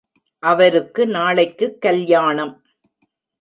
அவருக்கு நாளைக்குக் கல்யாணம்.